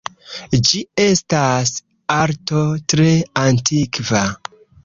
Ĝi estas arto tre antikva.